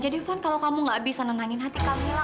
jadi van kalau kamu nggak bisa nenangin hati kamila